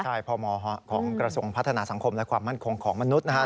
ใช่พมของกระทรวงพัฒนาสังคมและความมั่นคงของมนุษย์นะครับ